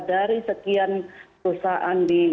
dari sekian perusahaan